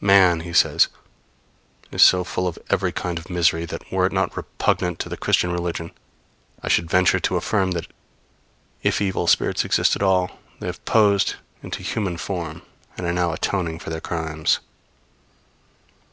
Man, he says, _is so full of every kind of misery that, were it not repugnant to the Christian religion, I should venture to affirm that if evil spirits exist at all, they have posed into human form and are now atoning for their crimes_.